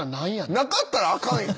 なかったらあかんやん。